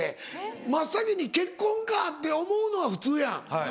真っ先に結婚かって思うのが普通やん。